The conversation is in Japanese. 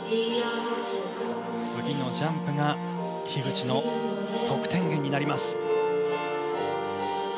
次のジャンプが樋口の得点源になります。